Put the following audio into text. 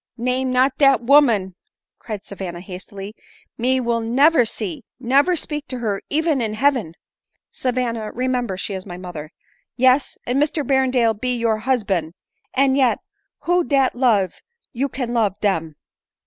" Name not dat woman," cried Savanna hastily ; "me will never see, never speak to her even in heaven." " Savanna, remember, she is my mother." " Yes, and Mr Berrendale be your husban ; and yet, who dat love you can love dem